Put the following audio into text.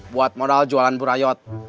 buat modal jualan burayot